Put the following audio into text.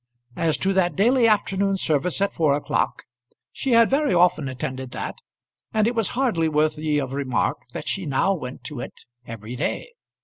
As to that daily afternoon service at four o'clock she had very often attended that, and it was hardly worthy of remark that she now went to it every day.